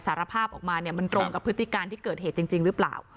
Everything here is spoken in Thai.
สารภาพออกมาเนี่ยมันตรงกับพฤติการที่เกิดเหตุจริงหรือเปล่า